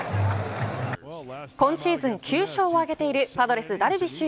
今シーズン９勝を挙げているパドレス、ダルビッシュ